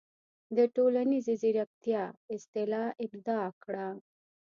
د"ټولنیزې زیرکتیا" اصطلاح ابداع کړه.